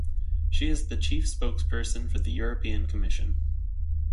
She is the chief spokesperson for the European Commission.